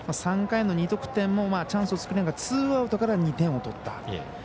３回の２得点もチャンスを作れずツーアウトから２点を取った。